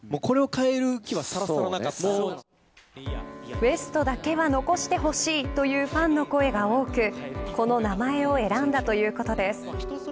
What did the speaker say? ＷＥＳＴだけは残してほしいというファンの声が多くこの名前を選んだということです。